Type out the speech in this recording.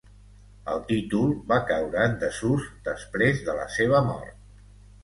El títol va caure en desús després de la seva mort.